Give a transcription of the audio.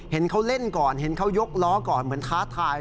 เห็นเขาเล่นก่อนเห็นเขายกล้อก่อนเหมือนท้าทาย